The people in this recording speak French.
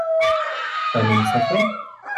Pas même sa femme ?